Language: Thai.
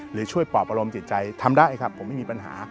หรือช่วยปอบอารมณ์จิตใจทำได้ครับผมไม่มีปัญหา